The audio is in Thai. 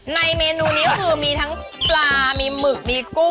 เมนูนี้ก็คือมีทั้งปลามีหมึกมีกุ้ง